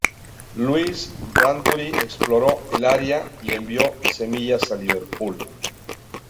Louis, Bradbury exploró el área y envió semillas a Liverpool.